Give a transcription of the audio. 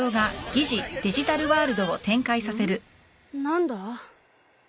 何だ？